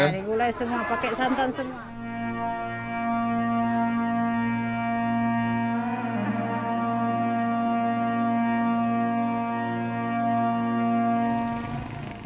ya digulai semua pakai santan semua